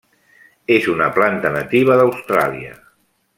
És una planta nativa d'Austràlia.